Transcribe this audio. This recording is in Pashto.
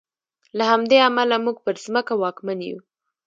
له همدې امله موږ پر ځمکه واکمن یو.